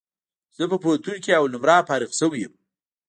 زه په پوهنتون کي اول نمره فارغ سوی یم